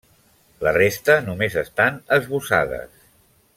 La resta només estan esbossades.